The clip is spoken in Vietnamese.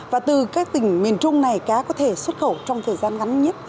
và từ các tỉnh miền trung này cá có thể xuất khẩu trong thời gian ngắn nhất